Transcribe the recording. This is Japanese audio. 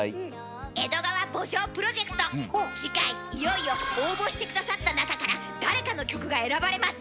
「江戸川慕情」プロジェクト次回いよいよ応募して下さった中から誰かの曲が選ばれます！